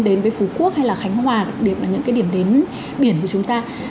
đến với phú quốc hay là khánh hòa là những cái điểm đến biển của chúng ta